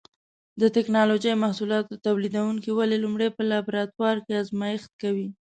د ټېکنالوجۍ محصولاتو تولیدوونکي ولې لومړی په لابراتوار کې ازمېښت کوي؟